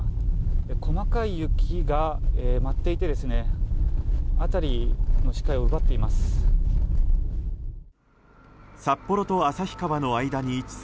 細かい雪が舞っていて辺りの視界を奪っています。